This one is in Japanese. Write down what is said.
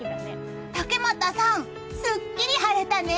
竹俣さん、すっきり晴れたね！